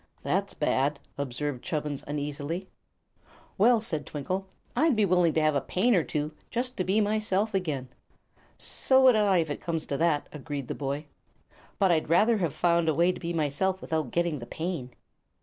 "That's bad," observed Chubbins, uneasily. "Well," said Twinkle, "I'd be willing to have a pain or two, just to be myself again." "So would I, if it comes to that," agreed the boy. "But I'd rather have found a way to be myself without getting the pain."